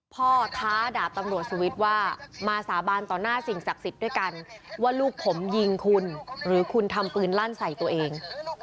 ท้าดาบตำรวจสวิทย์ว่ามาสาบานต่อหน้าสิ่งศักดิ์สิทธิ์ด้วยกันว่าลูกผมยิงคุณหรือคุณทำปืนลั่นใส่ตัวเอง